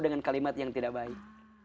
dengan kalimat yang tidak baik